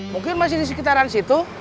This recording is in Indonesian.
mungkin masih di sekitaran situ